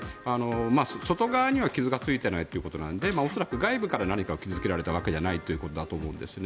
外側には傷がついていないということなので恐らく外部から何か傷付けられたわけではないと思うんですね。